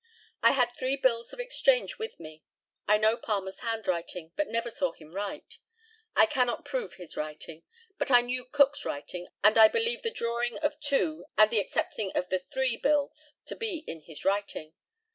I had three bills of exchange with me. I know Palmer's handwriting, but never saw him write. I cannot prove his writing; but I knew Cook's writing, and I believe the drawing of two and the accepting of the three bills to be in his writing.